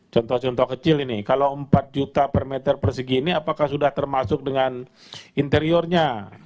contoh contoh kecil ini kalau empat juta per meter persegi ini apakah sudah termasuk dengan interiornya